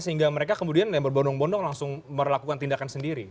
sehingga mereka kemudian berbondong bondong langsung melakukan tindakan sendiri